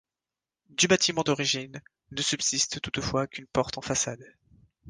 Du bâtiment d'origine, ne subsiste toutefois qu'une porte en façade.